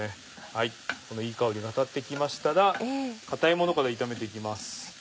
このいい香りが立ってきましたら硬いものから炒めていきます。